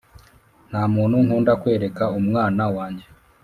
Nta muntu nkunda kwereka umwana wanjye